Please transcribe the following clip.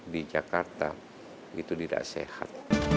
di jakarta itu tidak sehat